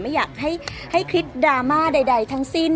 ไม่อยากให้คิดดราม่าใดทั้งสิ้น